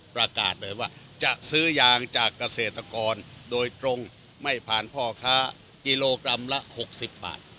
ประกาศเลยว่าจะซื้อยางจากเกษตรกรโดยตรงไม่ผ่านพ่อค้ากิโลกรัมละ๖๐บาท